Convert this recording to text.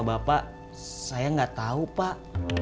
bapak saya gak tau pak